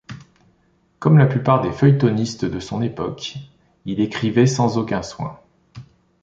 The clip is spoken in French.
Comme la plupart des feuilletonistes de son époque, il écrivait sans aucun soin.